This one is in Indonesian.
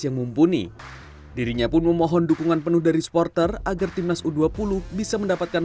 yang mumpuni dirinya pun memohon dukungan penuh dari supporter agar timnas u dua puluh bisa mendapatkan